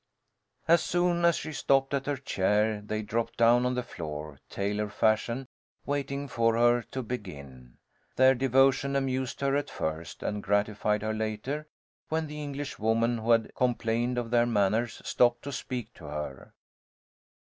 As soon as she stopped at her chair they dropped down on the floor, tailor fashion, waiting for her to begin. Their devotion amused her at first, and gratified her later, when the English woman who had complained of their manners stopped to speak to her.